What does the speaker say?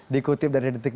dikutip dari kepresidenan